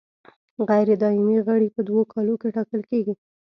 غیر دایمي غړي په دوو کالو کې ټاکل کیږي.